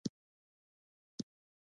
زرګر ګوتې جوړوي.